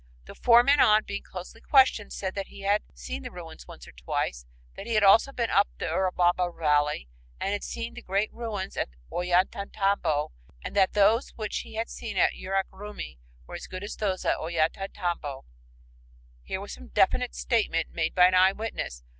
The foreman, on being closely questioned, said that he had seen the ruins once or twice, that he had also been up the Urubamba Valley and seen the great ruins at Ollantaytambo, and that those which he had seen at Yurak Rumi were "as good as those at Ollantaytambo." Here was a definite statement made by an eyewitness.